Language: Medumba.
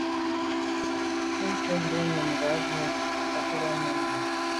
Shúnɔ̀ cúp bú nùngà mbə̄ mbà tát lā nù lɔ̀ŋ.